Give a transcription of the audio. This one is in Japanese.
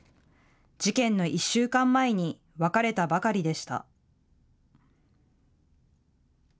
事件の１週間前に別れたばかりでした。